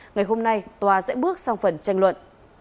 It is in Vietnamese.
ngày hôm nay tòa sẽ bước sang phần tranh luận